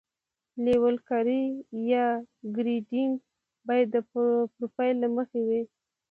لیول کاري یا ګریډینګ باید د پروفیل له مخې وي